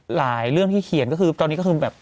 เรื่องที่เขียนก็คือตอนนี้ก็คือแบบ